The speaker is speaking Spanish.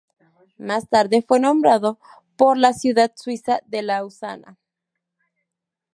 Más tarde fue nombrado por la ciudad suiza de Lausana.